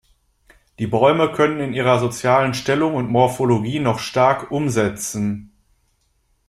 Die Bäume können in ihrer sozialen Stellung und Morphologie noch stark „umsetzen“.